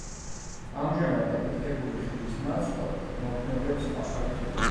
ამჟამად აფეთქებული ხიდის ნაცვლად მოქმედებს ახალი ხიდი.